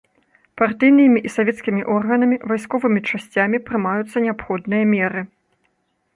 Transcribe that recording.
Партыйнымі і савецкімі органамі, вайсковымі часцямі прымаюцца неабходныя меры.